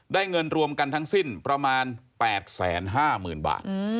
เงินรวมกันทั้งสิ้นประมาณ๘๕๐๐๐บาท